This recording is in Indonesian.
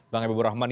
bang ibu rahman